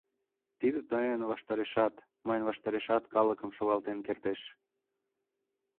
Тиде тыйын ваштарешат, мыйын ваштарешат калыкым шогалтен кертеш.